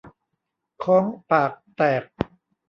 ฆ้องปากแตก